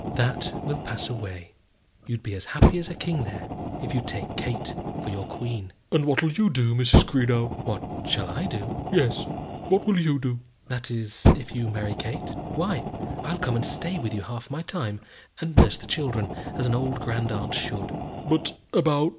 "That will pass away. You'd be as happy as a king there, if you'd take Kate for your queen." "And what'll you do, Mrs. Greenow?" "What shall I do?" "Yes; what will you do?" "That is, if you marry Kate? Why, I'll come and stay with you half my time, and nurse the children, as an old grand aunt should." "But about